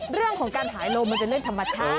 เรื่องของการหายลมมันเป็นเรื่องธรรมชาติ